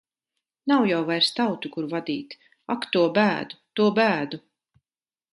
Nav jau vairs tautu, kur vadīt. Ak, to bēdu! To bēdu!